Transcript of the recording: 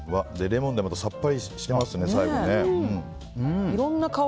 レモンでさっぱりしてますね最後ね。